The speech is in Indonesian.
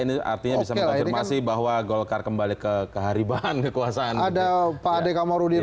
ini artinya bisa mengakibatkan bahwa golkar kembali ke kehariban kekuasaan itu ada pak adek